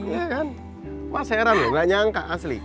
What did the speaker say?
iya kan mas heran gak nyangka asli